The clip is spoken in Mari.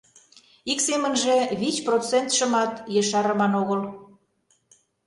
— Ик семынже, вич процентшымат ешарыман огыл.